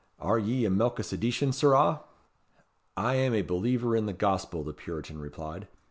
Are ye a Melchisedecian, sirrah?" "I am a believer in the Gospel," the Puritan replied.